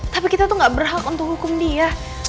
tapi kita tuh gak berhak untuk hukum dia